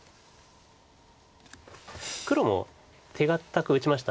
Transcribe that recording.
黒も手堅く打ちました